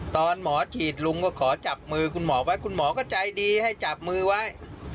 ตอนหมอฉีดลุงก็ขอจับมือคุณหมอไว้คุณหมอก็ใจดีให้จับมือไว้